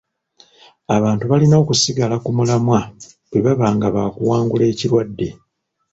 Abantu balina okusigala ku mulamwa bwe baba nga bakuwangula ekirwadde.